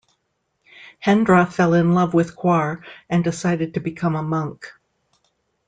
Hendra fell in love with Quarr and decided to become a monk.